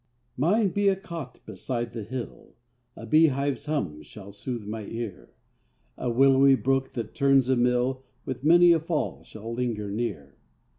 Mine be a cot beside the hill, A bee hive's hum shall sooth my ear; A willowy brook, that turns a mill, With many a fall shall linger near.